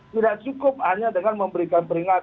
tidak cukup hanya dengan memberikan peringatan